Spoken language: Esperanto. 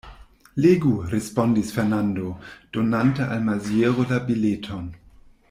Legu, respondis Fernando, donante al Maziero la bileton.